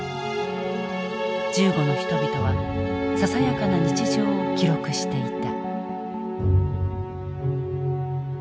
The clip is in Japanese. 銃後の人々はささやかな日常を記録していた。